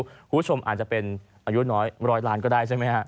คุณผู้ชมอาจจะเป็นอายุน้อยร้อยล้านก็ได้ใช่ไหมฮะ